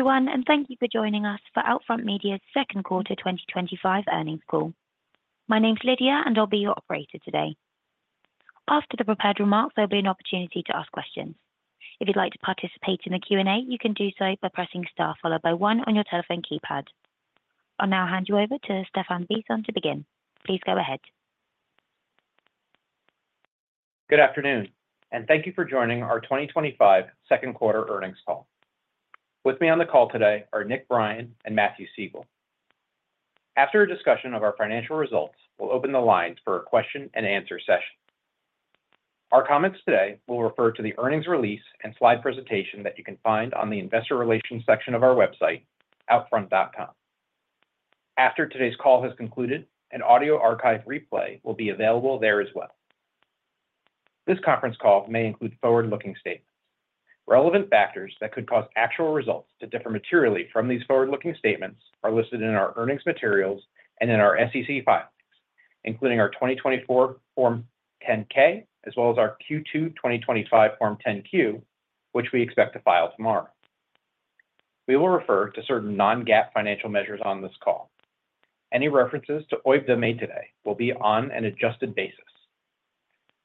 Everyone, and thank you for joining us for OUTFRONT Media's second quarter 2025 earnings call. My name's Lydia, and I'll be your operator today. After the prepared remarks, there'll be an opportunity to ask questions. If you'd like to participate in the Q&A, you can do so by pressing *1 on your telephone keypad. I'll now hand you over to Stephan Bisson to begin. Please go ahead. Good afternoon, and thank you for joining our 2025 second quarter earnings call. With me on the call today are Nick Brien and Matthew Siegel. After a discussion of our financial results, we'll open the lines for a question and answer session. Our comments today will refer to the earnings release and slide presentation that you can find on the Investor Relations section of our website, outfront.com. After today's call has concluded, an audio archive replay will be available there as well. This conference call may include forward-looking statements. Relevant factors that could cause actual results to differ materially from these forward-looking statements are listed in our earnings materials and in our SEC filings, including our 2024 Form 10-K, as well as our Q2 2025 Form 10-Q, which we expect to file tomorrow. We will refer to certain non-GAAP financial measures on this call. Any references to OIBDA made today will be on an adjusted basis.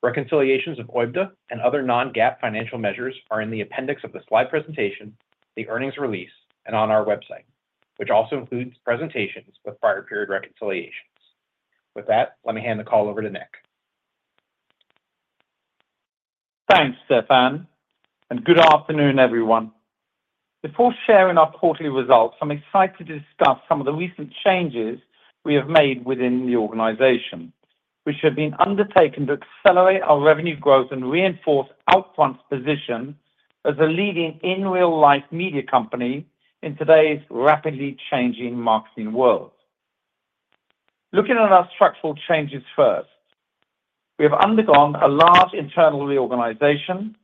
Reconciliations of OIBDA and other non-GAAP financial measures are in the appendix of the slide presentation, the earnings release, and on our website, which also includes presentations with prior period reconciliations. With that, let me hand the call over to Nick. Thanks, Stephan, and good afternoon, everyone. Before sharing our quarterly results, I'm excited to discuss some of the recent changes we have made within the organization, which have been undertaken to accelerate our revenue growth and reinforce OUTFRONT position as a leading in-real-life media company in today's rapidly changing marketing world. Looking at our structural changes first, we have undergone a large internal reorganization,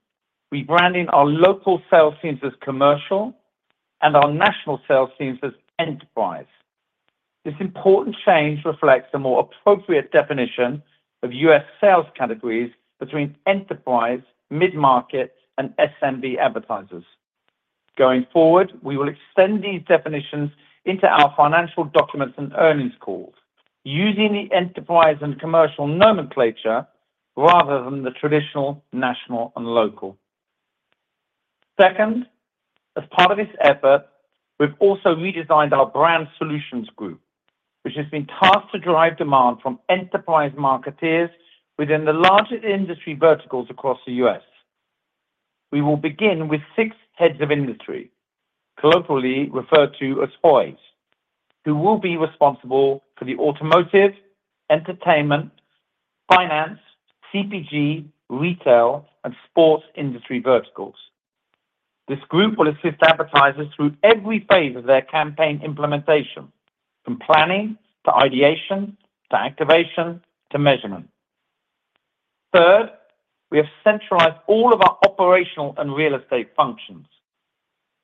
rebranding our local sales teams as Commercial and our national sales teams as Enterprise. This important change reflects a more appropriate definition of U.S. sales categories between Enterprise, mid-market, and SMB advertisers. Going forward, we will extend these definitions into our financial documents and earnings calls, using the Enterprise and Commercial nomenclature rather than the traditional national and local. Second, as part of this effort, we've also redesigned our brand solutions group, which has been tasked to drive demand from Enterprise marketers within the largest industry verticals across the U.S. We will begin with six heads of industry, colloquially referred to as OIs, who will be responsible for the automotive, entertainment, finance, CPG, retail, and sports industry verticals. This group will assist advertisers through every phase of their campaign implementation, from planning to ideation to activation to measurement. Third, we have centralized all of our operational and real estate functions.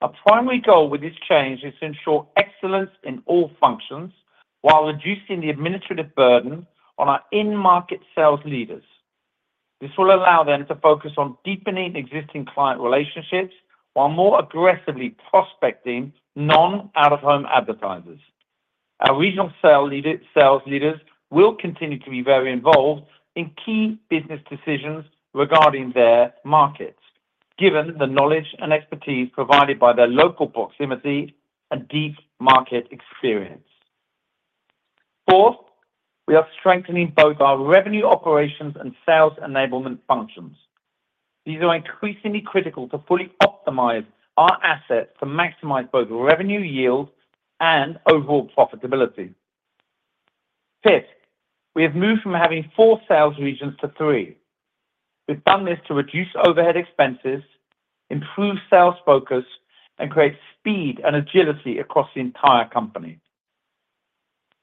Our primary goal with this change is to ensure excellence in all functions while reducing the administrative burden on our in-market sales leaders. This will allow them to focus on deepening existing client relationships while more aggressively prospecting non-out-of-home advertisers. Our regional sales leaders will continue to be very involved in key business decisions regarding their markets, given the knowledge and expertise provided by their local proximity and deep market experience. Fourth, we are strengthening both our revenue operations and sales enablement functions. These are increasingly critical to fully optimize our assets to maximize both revenue yield and overall profitability. Fifth, we have moved from having four sales regions to three. We've done this to reduce overhead expenses, improve sales focus, and create speed and agility across the entire company.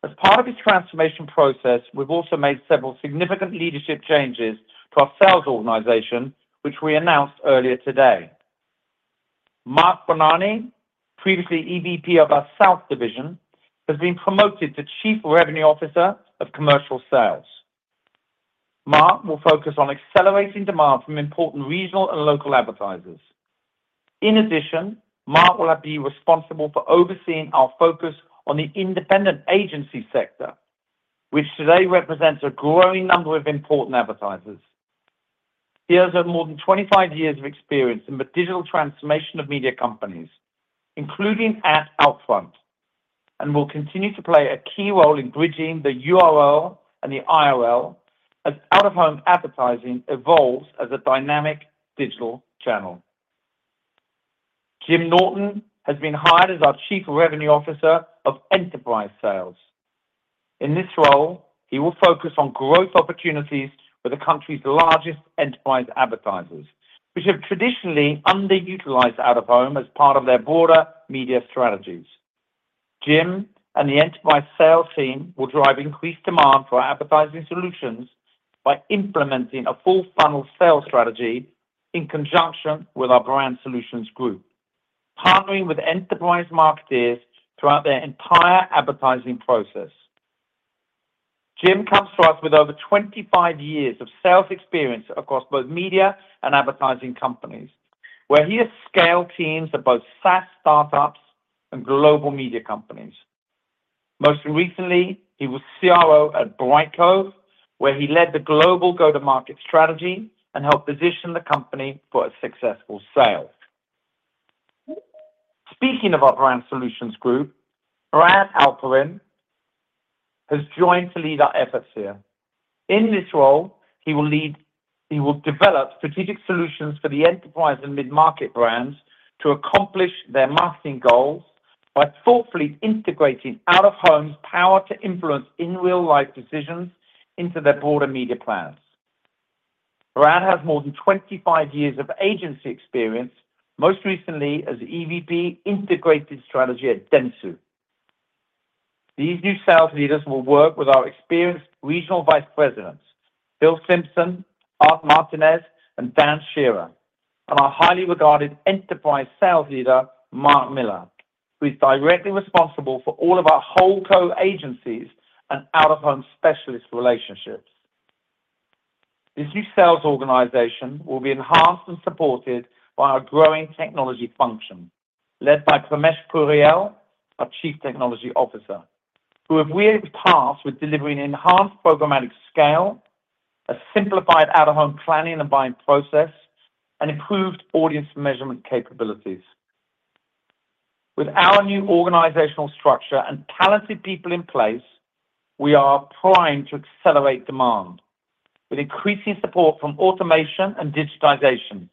As part of this transformation process, we've also made several significant leadership changes to our sales organization, which we announced earlier today. Mark Bonanni, previously EVP of our sales division, has been promoted to Chief Revenue Officer of Commercial Sales. Mark will focus on accelerating demand from important regional and local advertisers. In addition, Mark will be responsible for overseeing our focus on the independent agency sector, which today represents a growing number of important advertisers. He has had more than 25 years of experience in the digital transformation of media companies, including at OUTFRONT, and will continue to play a key role in bridging the URL and the IRL as out-of-home advertising evolves as a dynamic digital channel. Jim Norton has been hired as our Chief Revenue Officer of Enterprise Sales. In this role, he will focus on growth opportunities for the country's largest enterprise advertisers, which have traditionally underutilized out-of-home as part of their broader media strategies. Jim and the Enterprise Sales team will drive increased demand for our advertising solutions by implementing a full-funnel sales strategy in conjunction with our brand solutions group, partnering with enterprise marketers throughout their entire advertising process. Jim comes to us with over 25 years of sales experience across both media and advertising companies, where he has scaled teams at both SaaS startups and global media companies. Most recently, he was CRO at Brightco, where he led the global go-to-market strategy and helped position the company for a successful sale. Speaking of our brand solutions group, Brad Alpern has joined to lead our efforts here. In this role, he will develop strategic solutions for the enterprise and mid-market brands to accomplish their marketing goals by thoughtfully integrating out-of-home's power to influence in-real-life decisions into their broader media plans. Brad has more than 25 years of agency experience, most recently as EVP Integrated Strategy at Dentsu. These new sales leaders will work with our experienced Regional Vice Presidents, Bill Simpson, Art Martinez, and Dan Scherer, and our highly regarded enterprise sales leader, Marc Miller, who is directly responsible for all of our whole co-agencies and out-of-home specialist relationships. This new sales organization will be enhanced and supported by our growing technology function, led by Klemen Proyel, our Chief Technology Officer, who have weaved paths with delivering enhanced programmatic scale, a simplified out-of-home planning and buying process, and improved audience measurement capabilities. With our new organizational structure and talented people in place, we are primed to accelerate demand with increasing support from automation and digitization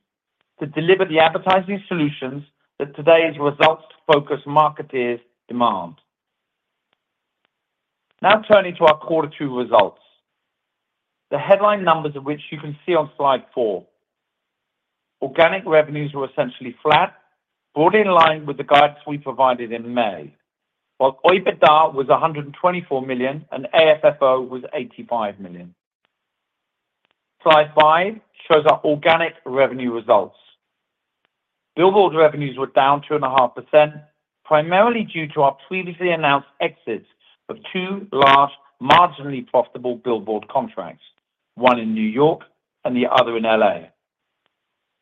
to deliver the advertising solutions that today's results-focused marketers demand. Now turning to our quarter two results, the headline numbers of which you can see on slide four. Organic revenues were essentially flat, brought in line with the guidance we provided in May, while OIBDA was $124 million and AFFO was $85 million. Slide five shows our organic revenue results. Billboard revenues were down 2.5%, primarily due to our previously announced exits of two large, marginally profitable billboard contracts, one in New York and the other in Los Angeles.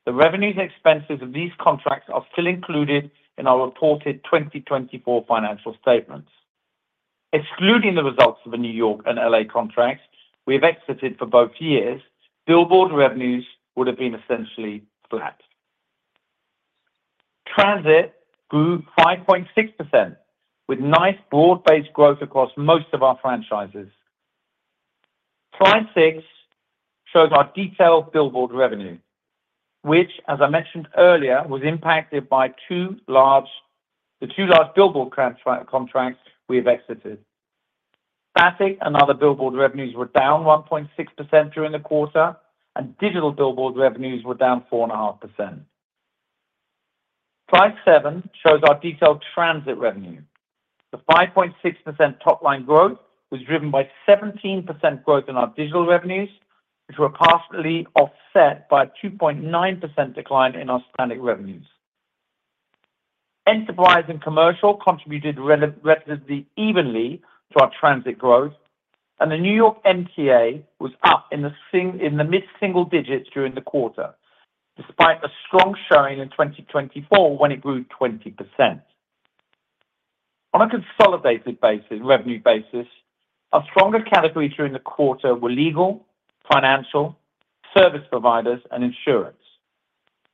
The revenues and expenses of these contracts are still included in our reported 2024 financial statements. Excluding the results of the New York and Los Angeles contracts we have exited for both years, billboard revenues would have been essentially flat. Transit grew 5.6%, with nice broad-based growth across most of our franchises. Slide six shows our detailed billboard revenue, which, as I mentioned earlier, was impacted by the two large billboard contracts we have exited. Static and other billboard revenues were down 1.6% during the quarter, and digital billboard revenues were down 4.5%. Slide seven shows our detailed transit revenue. The 5.6% top line growth was driven by 17% growth in our digital revenues, which were partially offset by a 2.9% decline in our static revenues. Enterprise and Commercial contributed relatively evenly to our transit growth, and the New York MTA was up in the mid-single digits during the quarter, despite a strong showing in 2024 when it grew 20%. On a consolidated revenue basis, our stronger categories during the quarter were legal, financial, service providers, and insurance.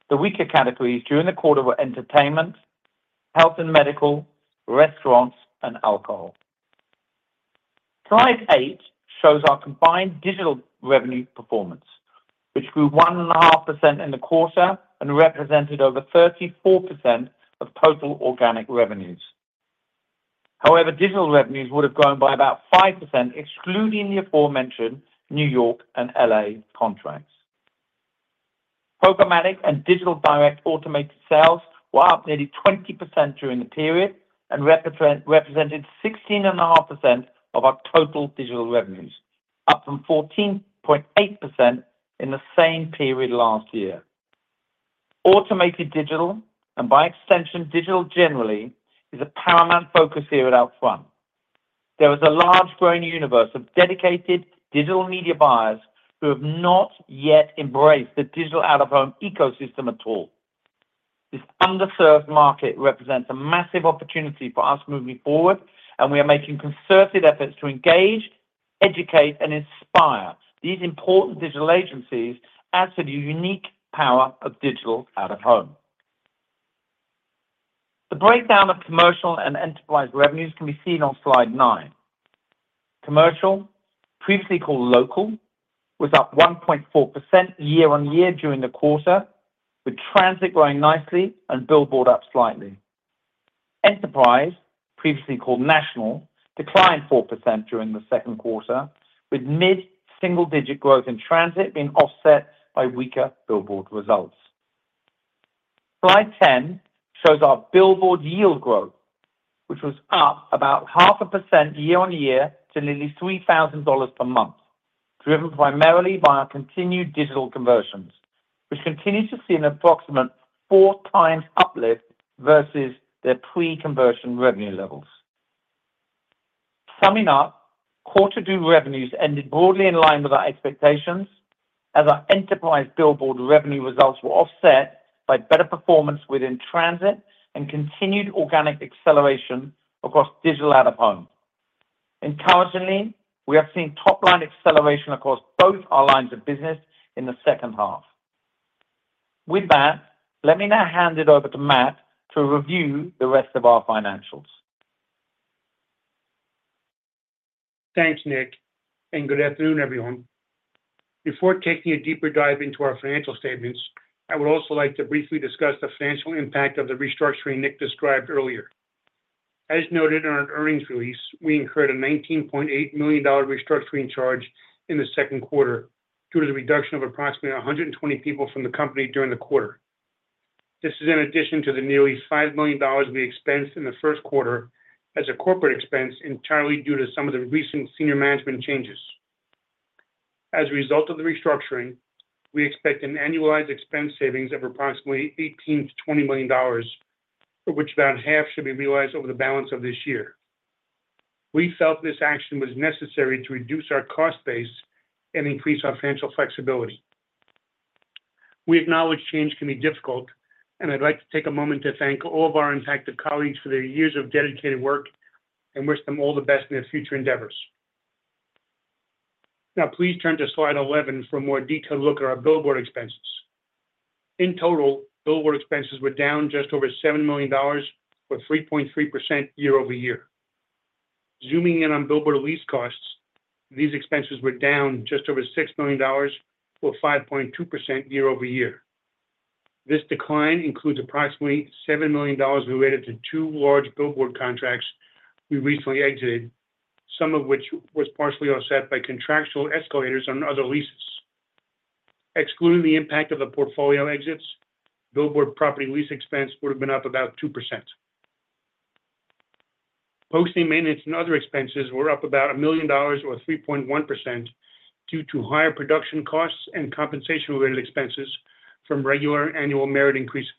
The weaker categories during the quarter were entertainment, health and medical, restaurants, and alcohol. Slide eight shows our combined digital revenue performance, which grew 1.5% in the quarter and represented over 34% of total organic revenues. However, digital revenues would have grown by about 5%, excluding the aforementioned New York and Los Angeles contracts. Programmatic and digital direct automated sales were up nearly 20% during the period and represented 16.5% of our total digital revenues, up from 14.8% in the same period last year. Automated digital, and by extension digital generally, is a paramount focus here at OUTFRONT. There is a large growing universe of dedicated digital media buyers who have not yet embraced the digital out-of-home ecosystem at all. This underserved market represents a massive opportunity for us moving forward, and we are making concerted efforts to engage, educate, and inspire these important digital agencies as to the unique power of digital out-of-home. The breakdown of Commercial and Enterprise revenues can be seen on slide nine. Commercial, previously called local, was up 1.4% year on year during the quarter, with transit growing nicely and billboard up slightly. Enterprise, previously called national, declined 4% during the second quarter, with mid-single-digit growth in transit being offset by weaker billboard results. Slide 10 shows our billboard yield growth, which was up about half a percent year on year to nearly $3,000 per month, driven primarily by our continued digital conversions, which continue to see an approximate four times uplift versus their pre-conversion revenue levels. Summing up, quarter-due revenues ended broadly in line with our expectations, as our Enterprise billboard revenue results were offset by better performance within transit and continued organic acceleration across digital out-of-home. Encouragingly, we have seen top line acceleration across both our lines of business in the second half. With that, let me now hand it over to Matt to review the rest of our financials. Thanks, Nick, and good afternoon, everyone. Before taking a deeper dive into our financial statements, I would also like to briefly discuss the financial impact of the restructuring Nick described earlier. As noted in our earnings release, we incurred a $19.8 million restructuring charge in the second quarter due to the reduction of approximately 120 people from the company during the quarter. This is in addition to the nearly $5 million we expensed in the first quarter as a corporate expense, entirely due to some of the recent senior management changes. As a result of the restructuring, we expect an annualized expense savings of approximately $18 million-$20 million, of which about half should be realized over the balance of this year. We felt this action was necessary to reduce our cost base and increase our financial flexibility. We acknowledge change can be difficult, and I'd like to take a moment to thank all of our impacted colleagues for their years of dedicated work and wish them all the best in their future endeavors. Now, please turn to slide 11 for a more detailed look at our Billboard expenses. In total, Billboard expenses were down just over $7 million, or 3.3% year over year. Zooming in on Billboard release costs, these expenses were down just over $6 million, or 5.2% year over year. This decline includes approximately $7 million related to two large Billboard contracts we recently exited, some of which were partially offset by contractual escalators on other leases. Excluding the impact of the portfolio exits, Billboard property lease expense would have been up about 2%. Posting maintenance and other expenses were up about $1 million, or 3.1%, due to higher production costs and compensation-related expenses from regular annual merit increases.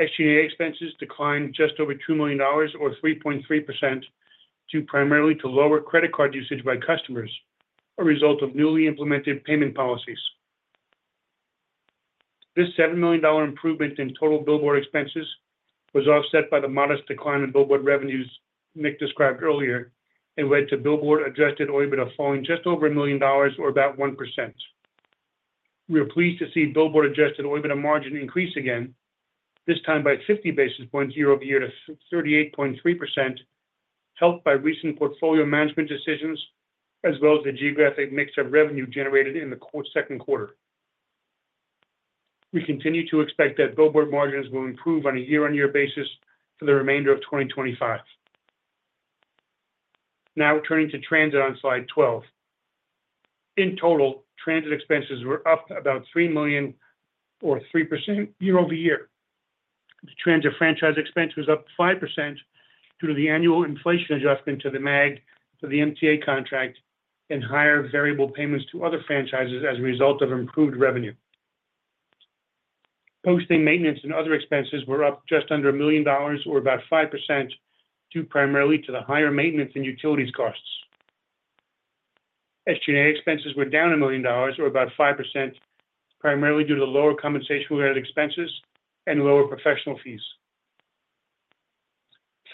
SGA expenses declined just over $2 million, or 3.3%, due primarily to lower credit card usage by customers, a result of newly implemented payment policies. This $7 million improvement in total Billboard expenses was offset by the modest decline in Billboard revenues Nick described earlier and led to Billboard adjusted OIBDA falling just over $1 million, or about 1%. We are pleased to see Billboard adjusted OIBDA margin increase again, this time by 50 basis points year over year to 38.3%, helped by recent portfolio management decisions, as well as the geographic mix of revenue generated in the second quarter. We continue to expect that billboard margins will improve on a year-on-year basis for the remainder of 2025. Now turning to transit on slide 12. In total, transit expenses were up about $3 million, or 3% year over year. The transit franchise expense was up 5% due to the annual inflation adjustment to the MAG of the MTA contract and higher variable payments to other franchises as a result of improved revenue. Posting, maintenance, and other expenses were up just under $1 million, or about 5%, due primarily to the higher maintenance and utilities costs. SG&A expenses were down $1 million, or about 5%, primarily due to lower compensation-related expenses and lower professional fees.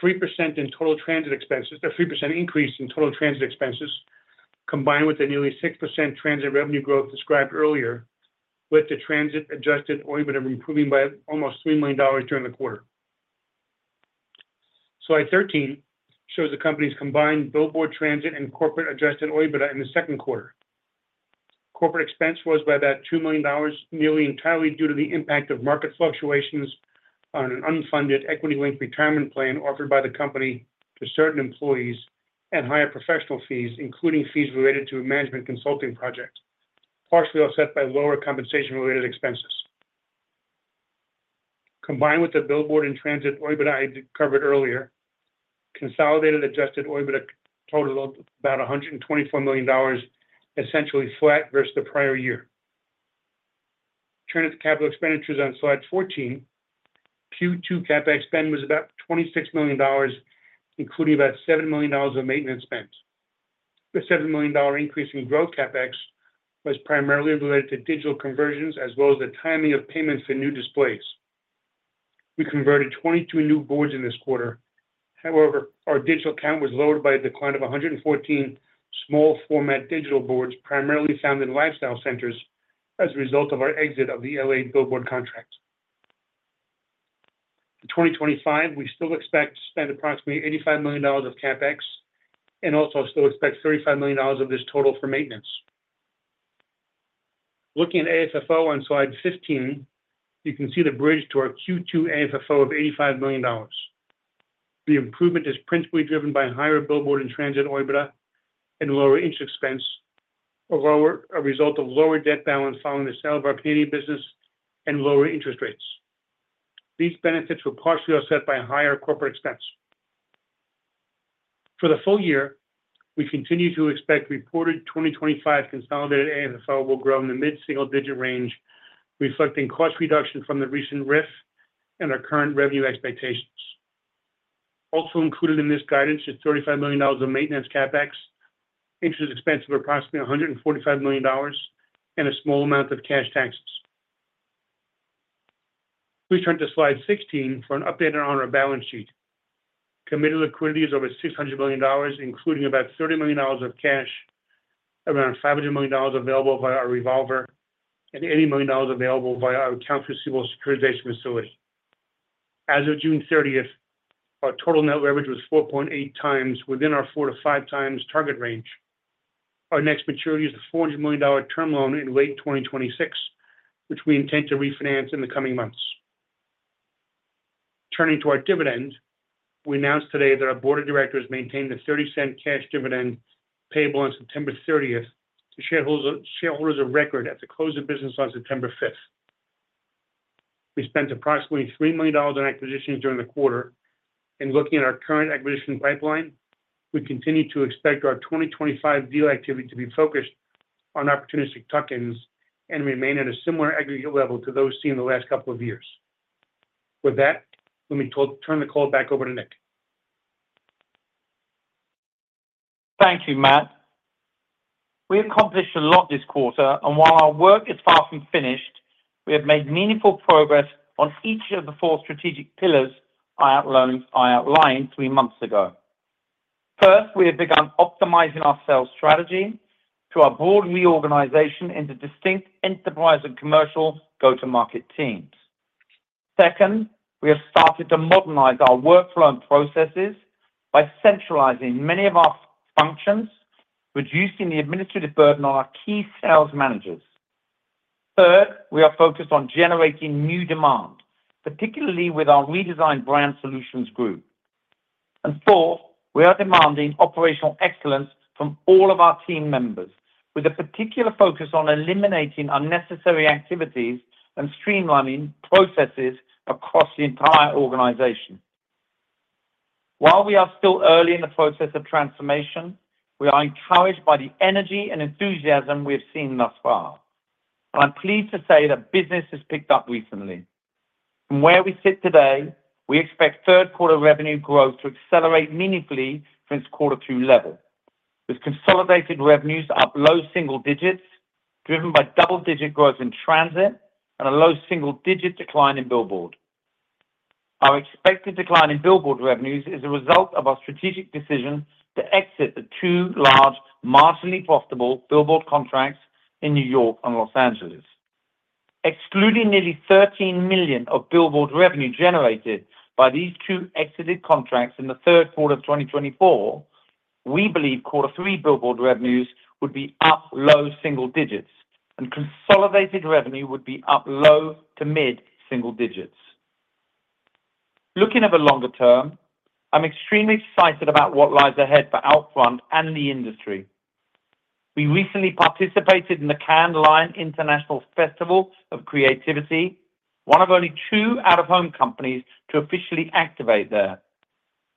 3% in total transit expenses, a 3% increase in total transit expenses, combined with the nearly 6% transit revenue growth described earlier, led to transit adjusted OIBDA improving by almost $3 million during the quarter. Slide 13 shows the company's combined billboard, transit, and corporate adjusted OIBDA in the second quarter. Corporate expense was up by about $2 million, nearly entirely due to the impact of market fluctuations on an unfunded equity-linked retirement plan offered by the company to certain employees and higher professional fees, including fees related to a management consulting project, partially offset by lower compensation-related expenses. Combined with the billboard and transit OIBDA I covered earlier, consolidated adjusted OIBDA totaled about $124 million, essentially flat versus the prior year. Transit capital expenditures on slide 14, Q2 CapEx spend was about $26 million, including about $7 million of maintenance spend. The $7 million increase in growth CapEx was primarily related to digital conversions, as well as the timing of payments for new displays. We converted 22 new boards in this quarter. However, our digital count was lowered by a decline of 114 small format digital boards, primarily found in lifestyle centers, as a result of our exit of the Los Angeles billboard contract. In 2025, we still expect to spend approximately $85 million of CapEx and also still expect $35 million of this total for maintenance. Looking at AFFO on slide 15, you can see the bridge to our Q2 AFFO of $85 million. The improvement is principally driven by higher billboard and transit OIBDA and lower interest expense, a result of lower debt balance following the sale of our Canadian business and lower interest rates. These benefits were partially offset by higher corporate expense. For the full year, we continue to expect reported 2025 consolidated AFFO will grow in the mid-single-digit range, reflecting cost reduction from the recent RIF and our current revenue expectations. Also included in this guidance is $35 million of maintenance CapEx, interest expense of approximately $145 million, and a small amount of cash taxes. Please turn to slide 16 for an update on our balance sheet. Committed liquidity is over $600 million, including about $30 million of cash, around $500 million available via our revolver, and $80 million available via our accounts receivable securitization facility. As of June 30th, our total net leverage was 4.8 times within our four to five times target range. Our next maturity is a $400 million term loan in late 2026, which we intend to refinance in the coming months. Turning to our dividend, we announced today that our board of directors maintained a $0.30 cash dividend payable on September 30th to shareholders of record at the close of business on September 5th. We spent approximately $3 million on acquisitions during the quarter, and looking at our current acquisition pipeline, we continue to expect our 2025 deal activity to be focused on opportunistic tuck-ins and remain at a similar aggregate level to those seen in the last couple of years. With that, let me turn the call back over to Nick. Thank you, Matt. We have accomplished a lot this quarter, and while our work is far from finished, we have made meaningful progress on each of the four strategic pillars I outlined three months ago. First, we have begun optimizing our sales strategy through our broad reorganization into distinct Enterprise and Commercial go-to-market teams. Second, we have started to modernize our workflow and processes by centralizing many of our functions, reducing the administrative burden on our key sales managers. Third, we are focused on generating new demand, particularly with our redesigned brand solutions group. Fourth, we are demanding operational excellence from all of our team members, with a particular focus on eliminating unnecessary activities and streamlining processes across the entire organization. While we are still early in the process of transformation, we are encouraged by the energy and enthusiasm we have seen thus far. I'm pleased to say that business has picked up recently. From where we sit today, we expect third quarter revenue growth to accelerate meaningfully from its quarter two level, with consolidated revenues up low single digits, driven by double-digit growth in transit and a low single-digit decline in billboard. Our expected decline in billboard revenues is a result of our strategic decision to exit the two large, marginally profitable billboard contracts in New York and Los Angeles. Excluding nearly $13 million of billboard revenue generated by these two exited contracts in the third quarter of 2024, we believe quarter three billboard revenues would be up low single digits, and consolidated revenue would be up low to mid-single digits. Looking at the longer term, I'm extremely excited about what lies ahead for OUTFRONT and the industry. We recently participated in the Cannes Lions International Festival of Creativity, one of only two out-of-home companies to officially activate there.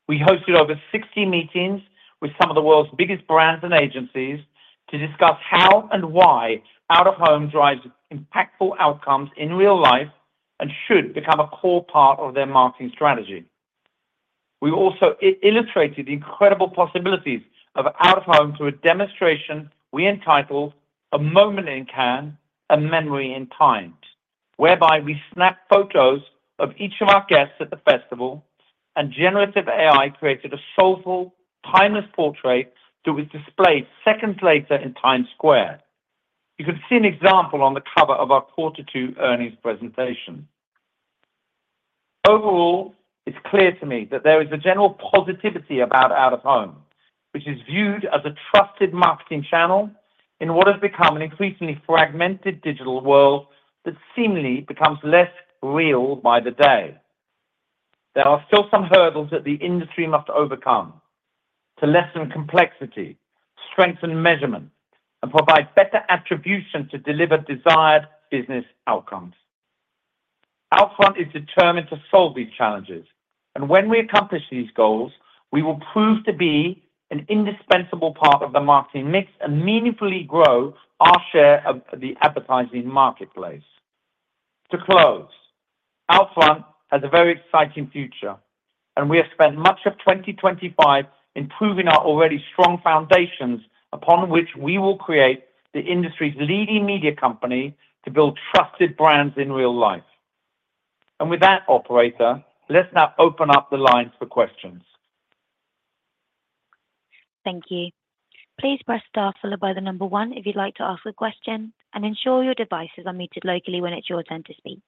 We hosted over 60 meetings with some of the world's biggest brands and agencies to discuss how and why out-of-home drives impactful outcomes in real life and should become a core part of their marketing strategy. We also illustrated the incredible possibilities of out-of-home through a demonstration we entitled "A Moment in Cannes, a Memory in Time," whereby we snapped photos of each of our guests at the festival, and generative AI created a soulful, timeless portrait to be displayed seconds later in Times Square. You can see an example on the cover of our quarter two earnings presentation. Overall, it's clear to me that there is a general positivity about out-of-home, which is viewed as a trusted marketing channel in what has become an increasingly fragmented digital world that seemingly becomes less real by the day. There are still some hurdles that the industry must overcome to lessen complexity, strengthen measurement, and provide better attribution to deliver desired business outcomes. OUTFRONT is determined to solve these challenges, and when we accomplish these goals, we will prove to be an indispensable part of the marketing mix and meaningfully grow our share of the advertising marketplace. To close, OUTFRONT has a very exciting future, and we have spent much of 2024 improving our already strong foundations upon which we will create the industry's leading media company to build trusted brands in real life. With that, operator, let's now open up the lines for questions. Thank you. Please press star followed by the number one if you'd like to ask a question, and ensure your devices are muted locally when it's your turn to speak.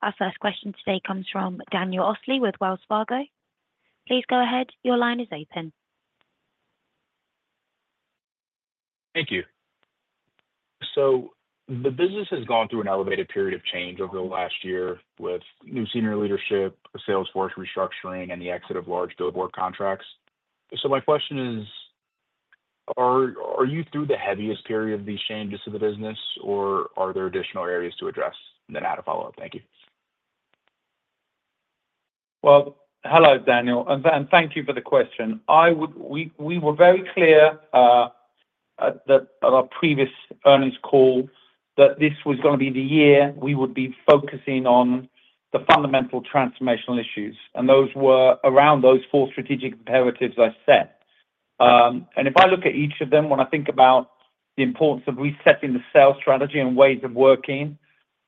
Our first question today comes from Daniel Osley with Wells Fargo. Please go ahead, your line is open. Thank you. The business has gone through an elevated period of change over the last year with new senior leadership, a salesforce restructuring, and the exit of large billboard contracts. My question is, are you through the heaviest period of these changes to the business, or are there additional areas to address? I have a follow-up. Thank you. Hello, Daniel, and thank you for the question. We were very clear at our previous earnings call that this was going to be the year we would be focusing on the fundamental transformational issues, and those were around those four strategic imperatives I said. If I look at each of them, when I think about the importance of resetting the sales strategy and ways of working,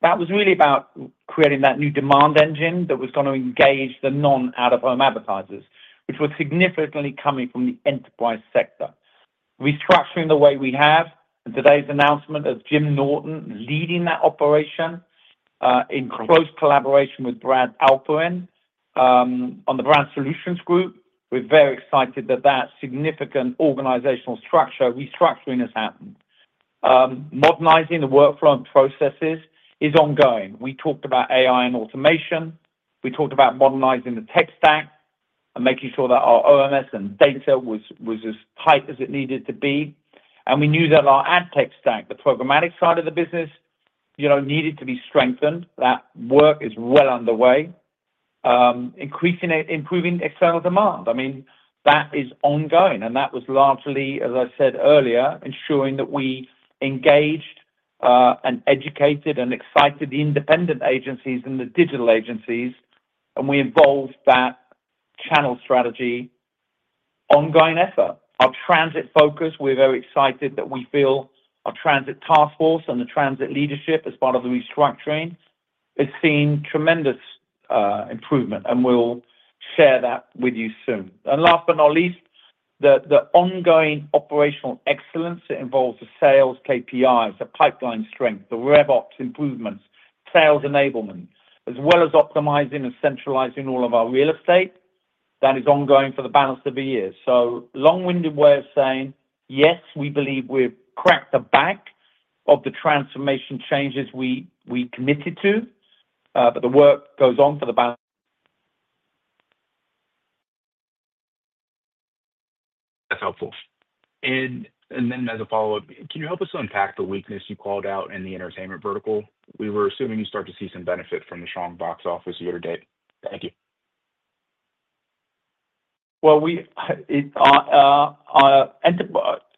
that was really about creating that new demand engine that was going to engage the non-out-of-home advertisers, which were significantly coming from the enterprise sector. Restructuring the way we have, and today's announcement of Jim Norton leading that operation in close collaboration with Brad Alpern on the brand solutions group, we're very excited that that significant organizational structure restructuring has happened. Modernizing the workflow and processes is ongoing. We talked about AI and automation. We talked about modernizing the tech stack and making sure that our OMS and data was as tight as it needed to be. We knew that our ad tech stack, the programmatic side of the business, needed to be strengthened. That work is well underway. Improving external demand is ongoing, and that was largely, as I said earlier, ensuring that we engaged and educated and excited the independent agencies and the digital agencies, and we involved that channel strategy ongoing effort. Our transit focus, we're very excited that we feel our transit task force and the transit leadership as part of the restructuring has seen tremendous improvement, and we'll share that with you soon. Last but not least, the ongoing operational excellence that involves the sales KPIs, the pipeline strength, the RevOps improvements, sales enablement, as well as optimizing and centralizing all of our real estate, that is ongoing for the balance of the year. Long-winded way of saying, yes, we believe we've cracked the back of the transformation changes we committed to, but the work goes on for the balance. That's helpful. As a follow-up, can you help us unpack the weakness you called out in the entertainment vertical? We were assuming you start to see some benefit from the strong box office year to date. Thank you. Our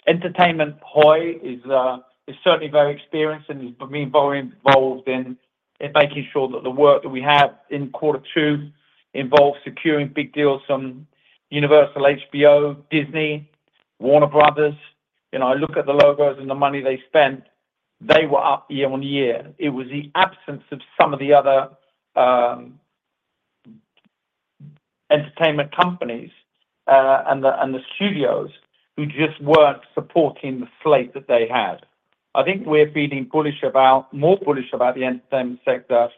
entertainment boy is certainly very experienced and has been very involved in making sure that the work that we have in quarter two involves securing big deals from Universal, HBO, Disney, Warner Brothers. I look at the logos and the money they spent. They were up year on year. It was the absence of some of the other entertainment companies and the studios who just weren't supporting the slate that they had. I think we're feeling more bullish about the entertainment sector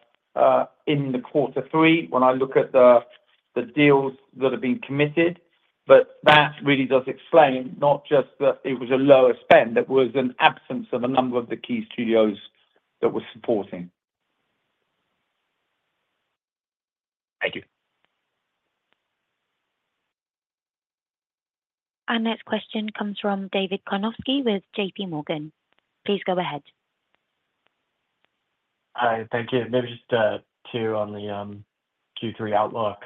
in quarter three when I look at the deals that have been committed, but that really does explain not just that it was a lower spend, it was an absence of a number of the key studios that were supporting. Thank you. Our next question comes from David Karnovsky with J.P. Morgan. Please go ahead. Hi, thank you. Maybe just two on the Q3 outlook.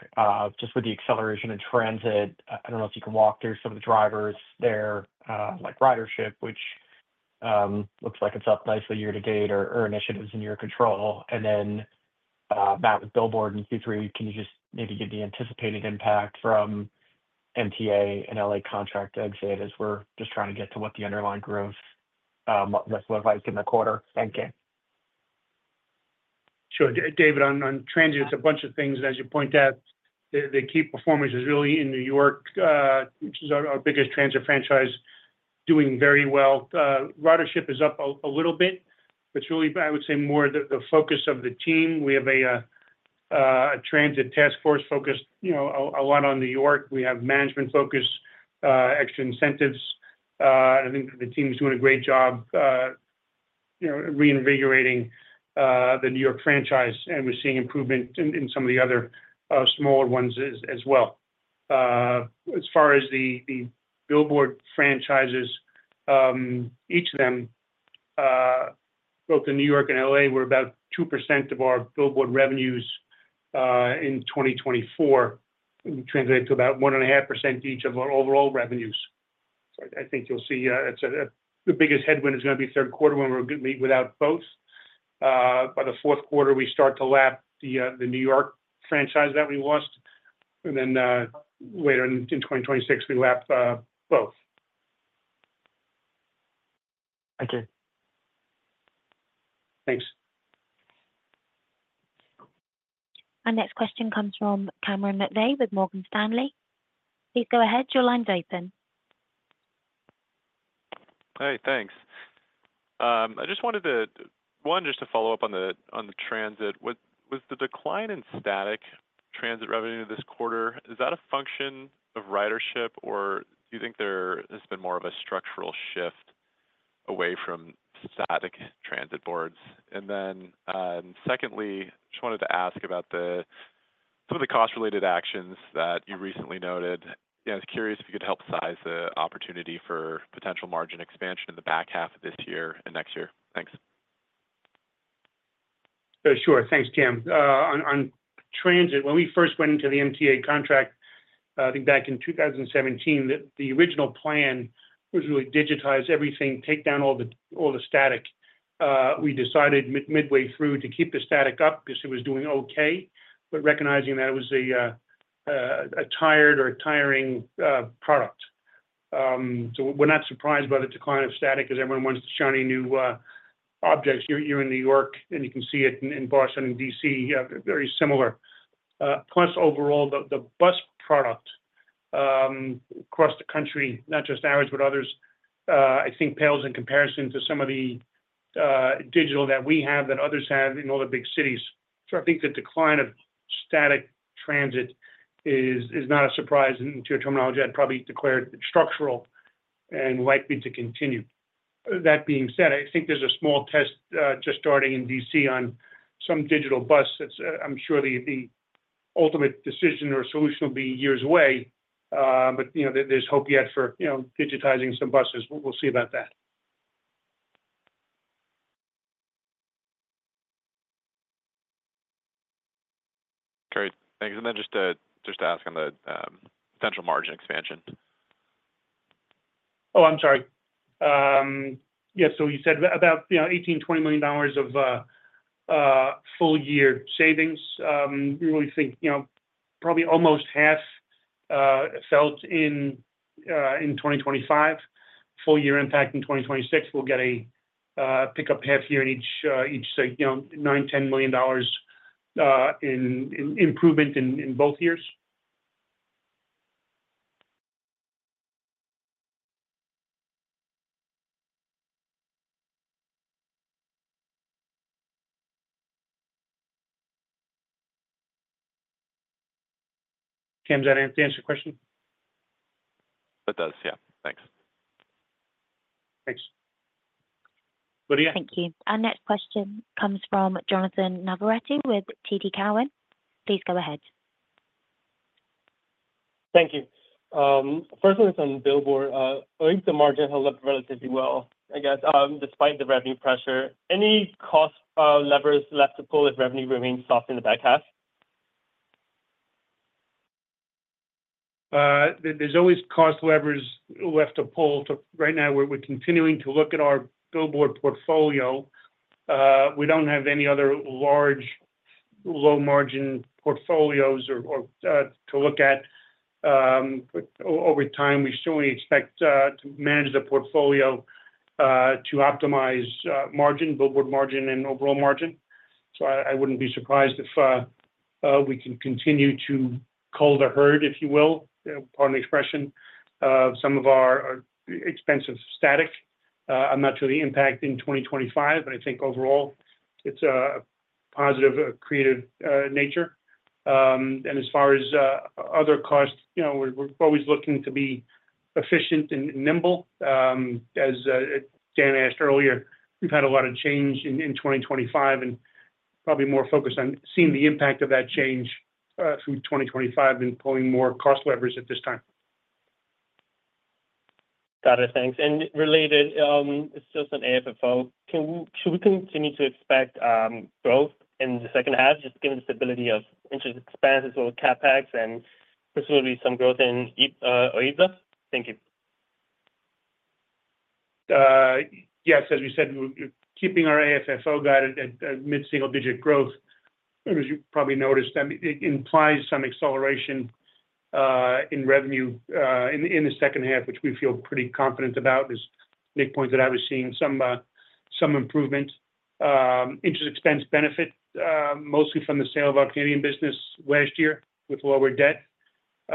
Just with the acceleration in transit, I don't know if you can walk through some of the drivers there, like ridership, which looks like it's up nicely year to date or initiatives in your control. With billboard in Q3, can you just maybe give the anticipated impact from MTA and Los Angeles contract exit as we're just trying to get to what the underlying growth looks like in the quarter? Thank you. Sure. David, on transit, it's a bunch of things. As you point out, the key performance is really in New York, which is our biggest transit franchise, doing very well. Ridership is up a little bit, but it's really, I would say, more the focus of the team. We have a transit task force focused a lot on New York. We have management focused, extra incentives. I think the team is doing a great job reinvigorating the New York franchise, and we're seeing improvement in some of the other smaller ones as well. As far as the billboard franchises, each of them, both in New York and Los Angeles, were about 2% of our billboard revenues in 2024, and you translate it to about 1.5% to each of our overall revenues. I think you'll see that the biggest headwind is going to be third quarter when we're going to be without both. By the fourth quarter, we start to lap the New York franchise that we lost, and then later in 2026, we lap both. Thank you. Thanks. Our next question comes from Cameron McVey with Morgan Stanley. Please go ahead, your line's open. Hey, thanks. I just wanted to, one, just to follow up on the transit. Was the decline in static transit revenue this quarter a function of ridership, or do you think there has been more of a structural shift away from static transit boards? Secondly, I just wanted to ask about some of the cost-related actions that you recently noted. I was curious if you could help size the opportunity for potential margin expansion in the back half of this year and next year. Thanks. Sure. Thanks, Jim. On transit, when we first went into the MTA contract, I think back in 2017, the original plan was really to digitize everything, take down all the static. We decided midway through to keep the static up because it was doing okay, but recognizing that it was a tired or a tiring product. We are not surprised by the decline of static because everyone wants the shiny new objects. You are in New York, and you can see it in Boston and DC, very similar. Plus, overall, the bus product across the country, not just ours, but others, I think, pales in comparison to some of the digital that we have that others have in all the big cities. I think the decline of static transit is not a surprise, and to your terminology, I would probably declare it structural and likely to continue. That being said, I think there is a small test just starting in DC on some digital bus that I am sure the ultimate decision or solution will be years away. There is hope yet for digitizing some buses. We will see about that. Great. Thanks. Just to ask on the potential margin expansion. I'm sorry. Yeah, you said about $18 million, $20 million of full-year savings. We really think probably almost half felt in 2025. Full-year impact in 2026, we'll get a pickup half year in each, $9 million, $10 million in improvement in both years. Tim, does that answer your question? That does, yeah. Thanks. Thanks. Thank you. Our next question comes from Jonathan Navarrete with TD Cowen. Please go ahead. Thank you. First, it's on billboard. I think the margin held up relatively well, I guess, despite the revenue pressure. Any cost levers left to pull if revenue remains lost in the back half? are always cost levers left to pull. Right now, we're continuing to look at our billboard portfolio. We don't have any other large low-margin portfolios to look at. Over time, we certainly expect to manage the portfolio to optimize margin, billboard margin, and overall margin. I wouldn't be surprised if we can continue to cull the herd, if you will, pardon the expression, of some of our expensive static. I'm not sure the impact in 2025, but I think overall it's a positive, accretive nature. As far as other costs, we're always looking to be efficient and nimble. As Dan asked earlier, we've had a lot of change in 2025 and probably more focused on seeing the impact of that change through 2025 and pulling more cost levers at this time. Got it. Thanks. Related, it's just on AFFO. Should we continue to expect growth in the second half, given the stability of interest expenses or CapEx, and presumably some growth in OIBDA? Thank you. Yes, as we said, we're keeping our AFFO guided at mid-single-digit growth. As you probably noticed, that implies some acceleration in revenue in the second half, which we feel pretty confident about. As Nick pointed out, we're seeing some improvement. Interest expense benefit mostly from the sale of our Canadian business last year with lower debt. We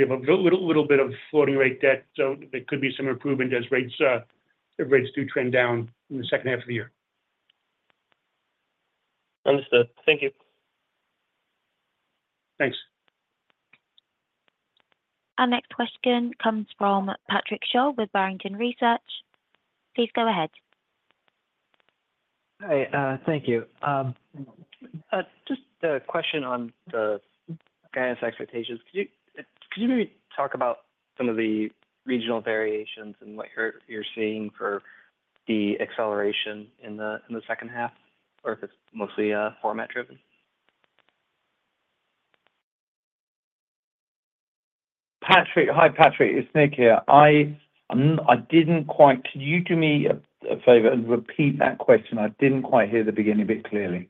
have a little bit of floating rate debt, so there could be some improvement as rates do trend down in the second half of the year. Understood. Thank you. Thanks. Our next question comes from Patrick Sholl with Barrington Research. Please go ahead. Hi. Thank you. Just a question on the guidance expectations. Could you maybe talk about some of the regional variations and what you're seeing for the acceleration in the second half, or if it's mostly format-driven? Hi, Patrick. It's Nick here. Could you do me a favor and repeat that question? I didn't quite hear the beginning bit clearly.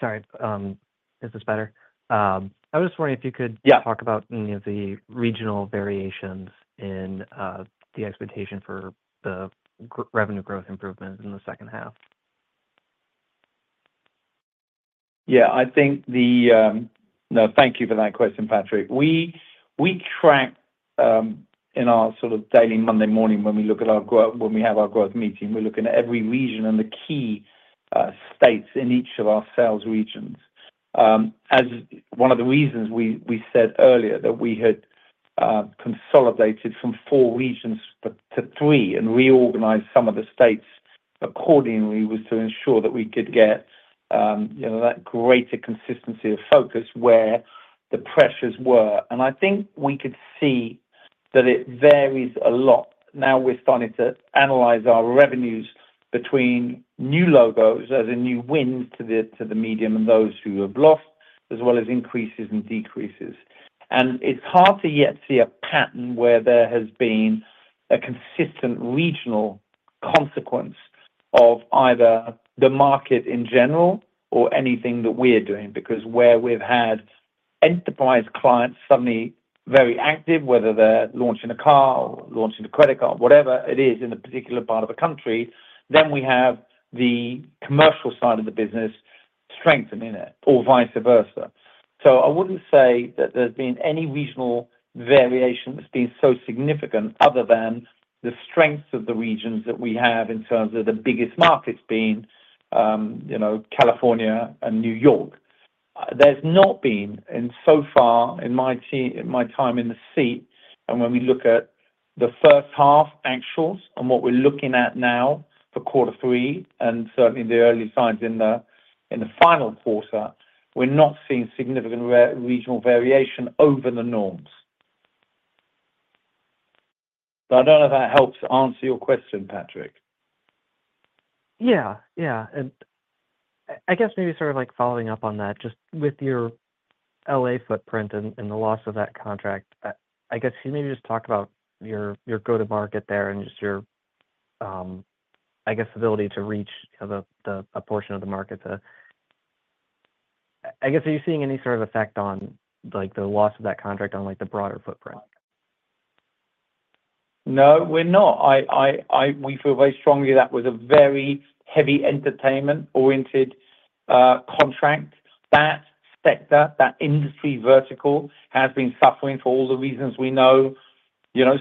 Sorry. Is this better? I was just wondering if you could talk about any of the regional variations in the expectation for the revenue growth improvement in the second half. Yeah, I think the, no, thank you for that question, Patrick. We track in our sort of daily Monday morning when we look at our growth, when we have our growth meeting, we're looking at every region and the key states in each of our sales regions. One of the reasons we said earlier that we had consolidated from four regions to three and reorganized some of the states accordingly was to ensure that we could get that greater consistency of focus where the pressures were. I think we could see that it varies a lot. Now we're starting to analyze our revenues between new logos, as in new wins to the medium and those who have lost, as well as increases and decreases. It's hard to yet see a pattern where there has been a consistent regional consequence of either the market in general or anything that we're doing because where we've had enterprise clients suddenly very active, whether they're launching a car or launching a credit card, whatever it is in a particular part of a country, then we have the Commercial side of the business strengthening it or vice versa. I wouldn't say that there's been any regional variation that's been so significant other than the strengths of the regions that we have in terms of the biggest markets being California and New York. There's not been, and so far in my time in the seat, and when we look at the first half actuals and what we're looking at now for quarter three and certainly the early signs in the final quarter, we're not seeing significant regional variation over the norms. I don't know if that helps answer your question, Patrick. I guess maybe sort of like following up on that, just with your Los Angeles footprint and the loss of that contract, you can maybe just talk about your go-to-market there and your ability to reach a portion of the market. Are you seeing any sort of effect on the loss of that contract on the broader footprint? No, we're not. We feel very strongly that was a very heavy entertainment-oriented contract. That sector, that industry vertical, has been suffering for all the reasons we know,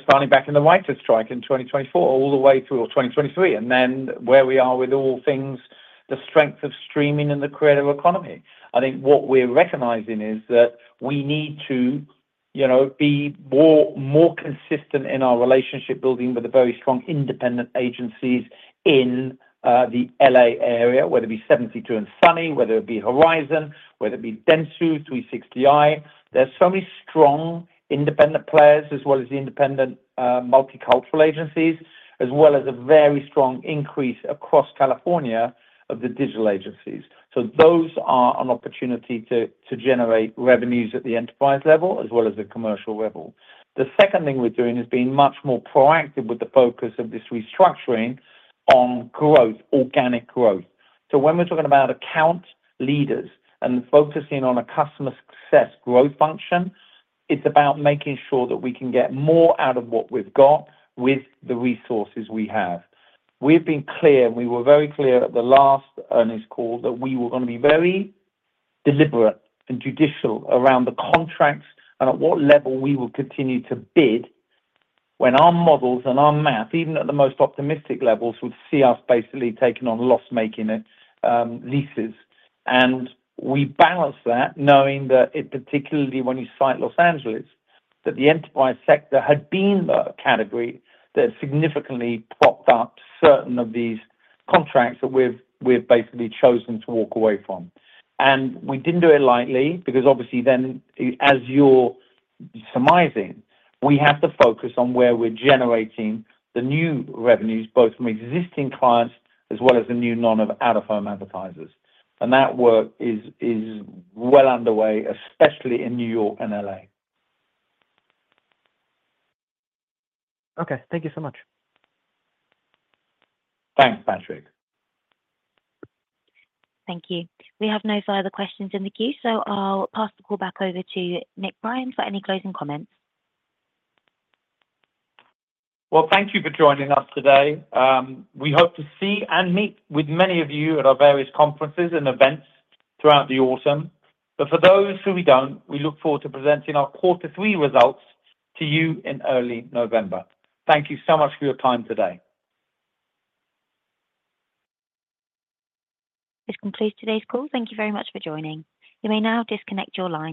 starting back in the writer's strike in 2024 all the way through to 2023. Where we are with all things, the strength of streaming in the creative economy. I think what we're recognizing is that we need to be more consistent in our relationship building with the very strong independent agencies in the LA area, whether it be 72 and Sunny, whether it be Horizon, whether it be Dentsu, 360i. There are so many strong independent players, as well as the independent multicultural agencies, as well as a very strong increase across California of the digital agencies. Those are an opportunity to generate revenues at the Enterprise level, as well as the Commercial level. The second thing we're doing is being much more proactive with the focus of this restructuring on growth, organic growth. When we're talking about account leaders and focusing on a customer success growth function, it's about making sure that we can get more out of what we've got with the resources we have. We've been clear, and we were very clear at the last earnings call that we were going to be very deliberate and judicial around the contracts and at what level we would continue to bid when our models and our math, even at the most optimistic levels, would see us basically taking on loss-making leases. We balanced that knowing that, particularly when you cite Los Angeles, that the Enterprise sector had been the category that significantly propped up certain of these contracts that we've basically chosen to walk away from. We didn't do it lightly because obviously then, as you're surmising, we have to focus on where we're generating the new revenues, both from existing clients as well as the new non-out-of-home advertisers. That work is well underway, especially in New York and LA. Okay, thank you so much. Thanks, Patrick. Thank you. We have no further questions in the queue, so I'll pass the call back over to Nick Brien for any closing comments. Thank you for joining us today. We hope to see and meet with many of you at our various conferences and events throughout the autumn. For those who we don't, we look forward to presenting our quarter three results to you in early November. Thank you so much for your time today. This concludes today's call. Thank you very much for joining. You may now disconnect your line.